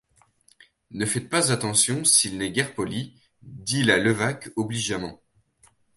Ne faites pas attention, s’il n’est guère poli, dit la Levaque obligeamment.